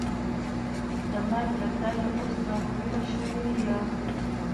د مرګ له ځایه اوس را تېره شوې یم.